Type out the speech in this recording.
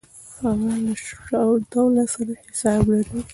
هغه له شجاع الدوله سره حساب لري.